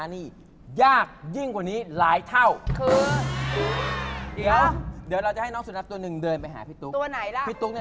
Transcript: มีแรกลิ้นด้วยนะ